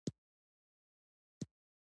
ښوروا د ډوډۍ خوند زیاتوي.